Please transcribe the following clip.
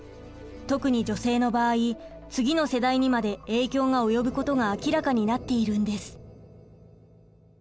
特に女性の場合次の世代にまで影響が及ぶことが明らかになっているんです。